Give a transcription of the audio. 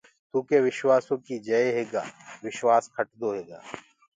تو ڪي وشواسو ڪي جئي هيگآ وشوآس کٽسو هيگآ۔